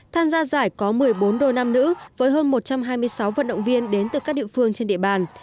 tham gia giải có một mươi bốn đôi nam nữ với hơn một trăm hai mươi sáu vận động viên đến từ các địa phương trên địa bàn